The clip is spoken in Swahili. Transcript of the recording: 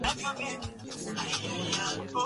huduma za kifedha zinategemea aina ya huduma inayotolewa